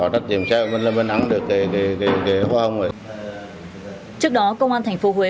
trước đó công an tp huế